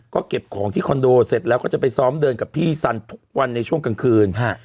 ก็เก็บของที่คอนโดเสร็จแล้วก็จะไปซ้อมเดินกับพี่สันทุกวันในช่วงกลางคืน